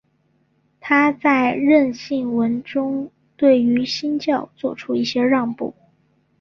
他在认信文中对于新教做出一些让步。